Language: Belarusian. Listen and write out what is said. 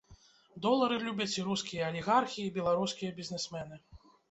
Долары любяць і рускія алігархі, і беларускія бізнесмены.